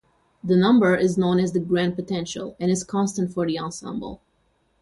The number is known as the grand potential and is constant for the ensemble.